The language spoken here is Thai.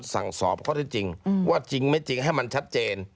สั่งสอบข้อที่จริงว่าจริงไม่จริงให้มันชัดเจน